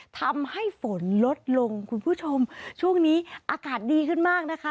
ทำให้ฝนลดลงคุณผู้ชมช่วงนี้อากาศดีขึ้นมากนะคะ